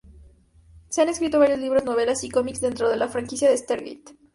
Se han escrito varios libros, novelas y cómics, dentro de la franquicia de Stargate.